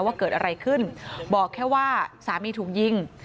ว่าเกิดอะไรขึ้นบอกแค่ว่าสามีถูกยิง